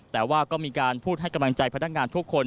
แต่ว่าก็มีการพูดให้กำลังใจพนักงานทุกคน